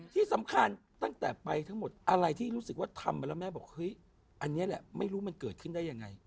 ที่สำคัญตั้งแต่ไปทั้งหมดอะไรที่รู้สึกว่าทำไปแล้วแม่บอกเฮ้ยอันนี้แหละไม่รู้มันเกิดขึ้นได้ยังไง